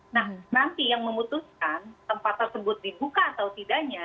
nah nanti yang memutuskan tempat tersebut dibuka atau tidaknya